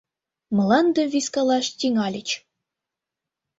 Мландым вискалаш тӱҥальыч.